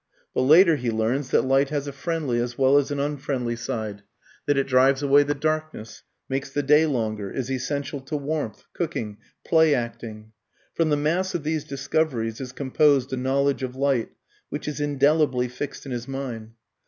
But later he learns that light has a friendly as well as an unfriendly side, that it drives away the darkness, makes the day longer, is essential to warmth, cooking, play acting. From the mass of these discoveries is composed a knowledge of light, which is indelibly fixed in his mind.